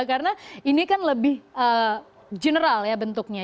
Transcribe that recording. karena ini kan lebih general ya bentuknya